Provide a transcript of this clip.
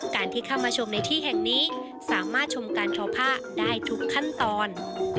ที่เข้ามาชมในที่แห่งนี้สามารถชมการทอผ้าได้ทุกขั้นตอน